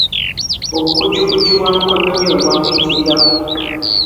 Obukujjukujju bwa mukoddomi we bwamuyirirako.